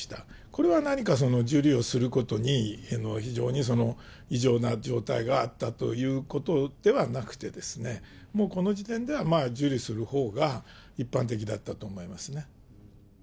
これは何かその、受理をすることに、非常に異常な状態があったということではなくて、もうこの時点では受理するほうが一般的だったと思いますね。